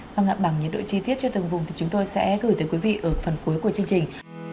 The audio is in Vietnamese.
vâng ạ bằng nhiệt độ chi tiết cho từng vùng thì chúng tôi sẽ gửi tới quý vị ở phần cuối của chương trình